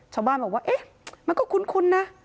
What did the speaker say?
ชาวบ้านบอกว่าเอ๊ะมันก็คุ้นนะ